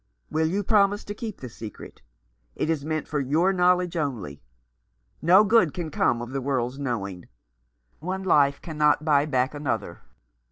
Will you promise to keep the secret ? It is meant for your knowledge only. No good can come of the world's knowing. One life cannot buy back another.